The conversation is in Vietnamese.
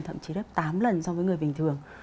thậm chí gấp tám lần so với người bình thường